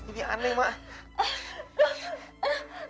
ini aneh mak